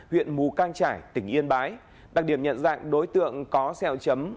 huyện mù cang trải tỉnh yên bái đặc điểm nhận dạng đối tượng có xeo chấm